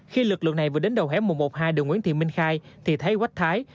khi lực lượng này vừa đến đầu hẻm một trăm một mươi hai đường nguyễn thị minh khai thì thấy quách thái